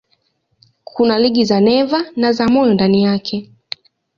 Kuna liga za neva na za moyo ndani yake.